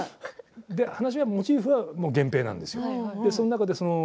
モチーフは源平なんですよ。